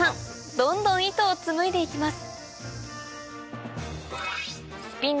どんどん糸を紡いで行きます